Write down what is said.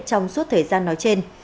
trong suốt thời gian nói trên